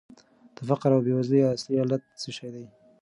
د فقر او بېوزلۍ اصلي علت څه شی دی؟